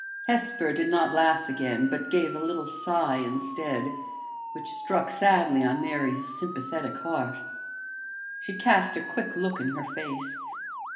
Hesper did not laugh again, but gave a little sigh instead, which struck sadly on Mary's sympathetic heart. She cast a quick look in her face.